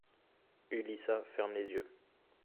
Ulyssa ferme les yeux.